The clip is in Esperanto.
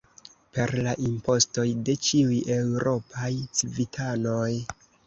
Per la impostoj de ĉiuj eŭropaj civitanoj.